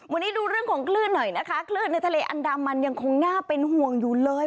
วันนี้ดูเรื่องของคลื่นหน่อยนะคะคลื่นในทะเลอันดามันยังคงน่าเป็นห่วงอยู่เลย